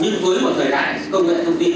nhưng với một thời đại công nghệ thông tin